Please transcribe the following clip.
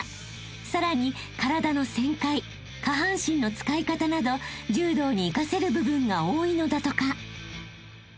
［さらに体の旋回下半身の使い方など柔道に生かせる部分が多いのだとか］